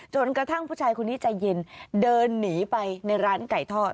จนกระทั่งผู้ชายคนนี้ใจเย็นเดินหนีไปในร้านไก่ทอด